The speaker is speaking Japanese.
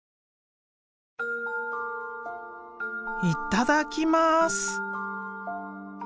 いただきます。